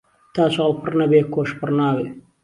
تا چاڵ پڕ نەبێ کۆش پڕ نابێ